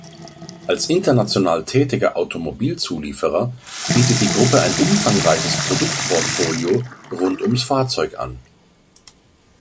Als international tätiger Automobilzulieferer bietet die Gruppe ein umfangreiches Produktportfolio rund ums Fahrzeug an.